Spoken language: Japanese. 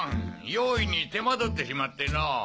用意に手間取ってしまってのぉ。